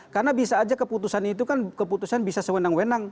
karena bisa saja keputusan itu kan keputusan bisa sewenang wenang